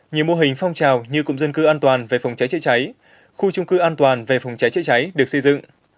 nhiều mô hình phong trào như cụm dân cư an toàn về phòng cháy chữa cháy khu trung cư an toàn về phòng cháy chữa cháy được xây dựng